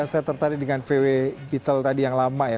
saya tertarik dengan vw beettle tadi yang lama ya